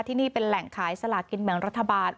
ที่นี่เป็นแหล่งขายสลากินแบ่งรัฐบาล